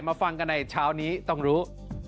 ฟังกันในเช้านี้ต้องรู้